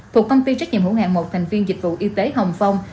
thuộc công ty trách nhiệm hữu hạng một thành viên dịch vụ y tế hồng phong